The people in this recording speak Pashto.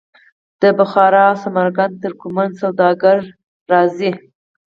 د بخارا او سمرقند ترکمن سوداګر راځي.